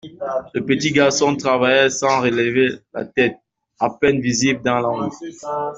Le petit garçon travaillait sans relever la tête, à peine visible dans l’ombre.